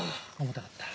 重たかった。